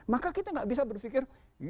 maka kita nggak bisa berfikir